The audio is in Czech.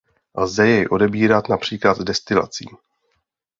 Lze jej odebírat například destilací.